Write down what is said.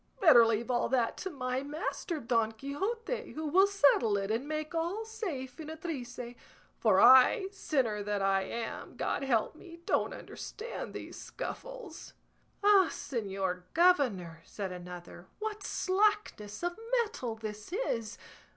Better leave all that to my master Don Quixote, who will settle it and make all safe in a trice; for I, sinner that I am, God help me, don't understand these scuffles." "Ah, señor governor," said another, "what slackness of mettle this is!